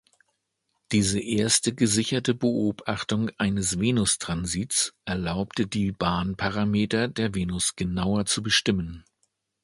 Diese erste gesicherte Beobachtung eines Venustransits erlaubte die Bahnparameter der Venus genauer zu bestimmen.